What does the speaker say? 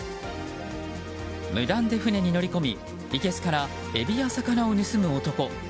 無断で船に乗り込みいけすからエビや魚を盗む男。